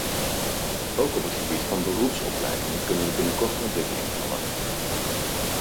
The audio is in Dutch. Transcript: Ook op het gebied van beroepsopleidingen kunnen we binnenkort ontwikkelingen verwachten.